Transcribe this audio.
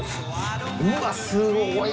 うわっすごい。